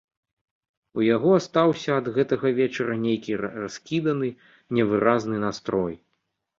У яго астаўся ад гэтага вечара нейкі раскіданы, невыразны настрой.